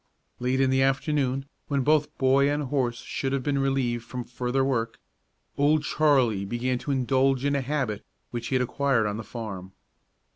Late in the afternoon, when both boy and horse should have been relieved from further work, Old Charlie began to indulge in a habit which he had acquired on the farm.